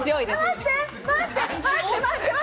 待って待って！